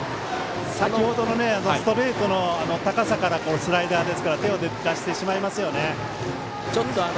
先程のストレートの高さからのスライダーですから手を出してしまいますね。